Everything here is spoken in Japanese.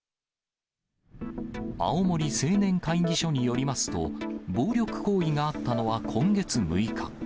青森青年会議所によりますと、暴力行為があったのは今月６日。